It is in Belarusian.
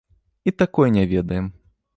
І такой не ведаем.